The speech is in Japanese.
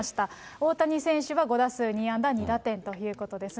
大谷選手は５打数２安打２打点ということですね。